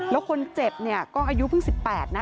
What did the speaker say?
แล้วคนเจ็บเนี่ยก็อายุเพิ่ง๑๘นะ